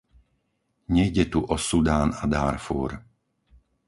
Nejde tu o Sudán a Dárfúr.